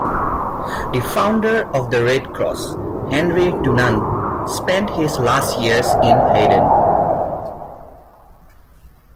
The founder of the Red Cross, Henry Dunant, spent his last years in Heiden.